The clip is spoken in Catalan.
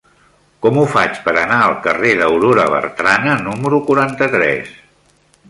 Com ho faig per anar al carrer d'Aurora Bertrana número quaranta-tres?